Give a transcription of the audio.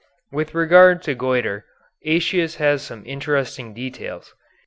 With regard to goitre, Aëtius has some interesting details.